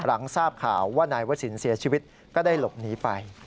หลังทราบข่าวว่านายวศิลป์เสียชีวิตก็ได้หลบหนีไป